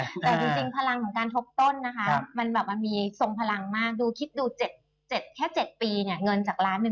แต่จริงพลังของการทบต้นมันมีทรงพลังมากดูแค่๗ปีเงินจาก๑๒ล้านได้